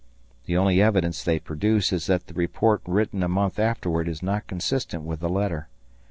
The only evidence they produce is that the report written a month afterward is not consistent with the letter.